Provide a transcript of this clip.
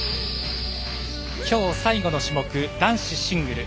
今日最後の種目、男子シングル。